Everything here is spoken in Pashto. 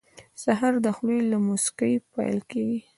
سهار د خولې له موسکۍ پیل کېږي.